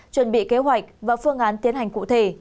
chuẩn bị kế hoạch và phương án tiến hành cụ thể